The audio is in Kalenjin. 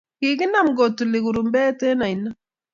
kikinam kotuli kurumbet eng' oine.